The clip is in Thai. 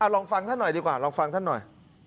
ลองฟังท่านหน่อยดีกว่าลองฟังท่านหน่อย